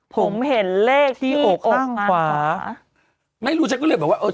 ผมเห็นเลขที่อกขวาไม่รู้ฉันก็เลยบอกว่าเออ